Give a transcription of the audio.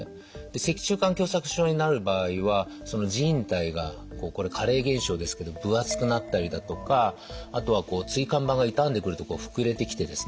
で脊柱管狭窄症になる場合はその靭帯が加齢現象ですけど分厚くなったりだとかあとは椎間板が傷んでくると膨れてきてですね